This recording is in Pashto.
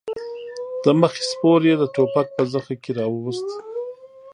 د مخې سپور يې د ټوپک په زخه کې راووست.